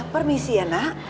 permisi ya nak